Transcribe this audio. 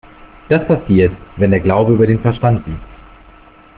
Das passiert, wenn der Glauben über den Verstand siegt.